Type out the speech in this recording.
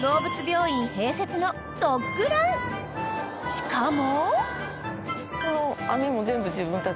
［しかも］